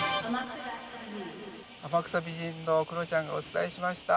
天草美人のクロちゃんがお伝えしました。